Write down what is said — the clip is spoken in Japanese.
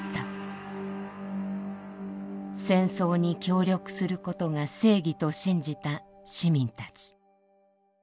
戦争に協力することが正義と信じた市民たち。